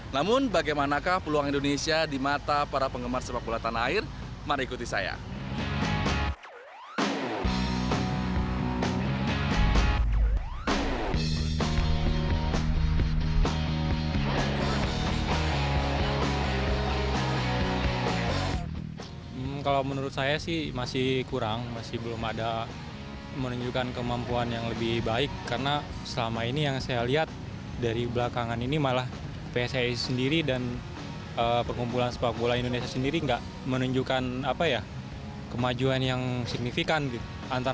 namun bagaimanakah peluang indonesia di mata para penggemar sepak bola tanah air